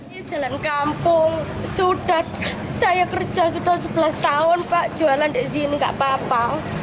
ya jalan kampung sudah saya kerja sudah sebelas tahun pak jualan di sini enggak apa apa